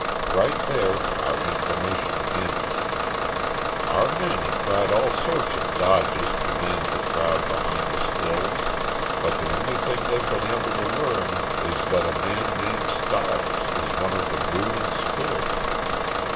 Right there our information ends. Our men have tried all sorts of dodges to land the crowd behind the stills, but the only thing they've been able to learn is that a man named Stiles is one of the ruling spirits.